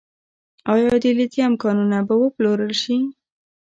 آیا د لیتیم کانونه به وپلورل شي؟